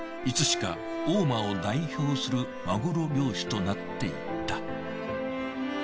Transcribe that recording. いつしか大間を代表するマグロ漁師となっていった。